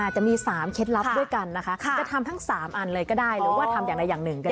จะทำทั้ง๓อันเลยก็ได้หรือว่าทำอย่างใดอย่างหนึ่งก็ได้